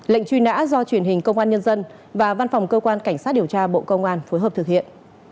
lệnh truy nã do truyền hình công an nhân dân và văn phòng cơ quan cảnh sát điều tra bộ công an phối hợp thực hiện